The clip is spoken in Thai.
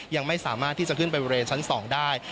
ยังไม่สามารถที่จะขึ้นไปบริเวณชั้น๒ได้